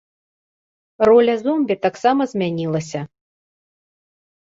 Роля зомбі таксама змянілася.